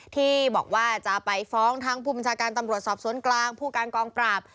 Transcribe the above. ที่บอกว่าจะไปฟ้องทั้งผู้บัญชาการตำรวจสอบสวนกลางผู้การกองปราบ